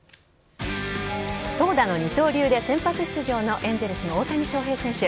投打の二刀流で先発出場のエンゼルスの大谷翔平選手。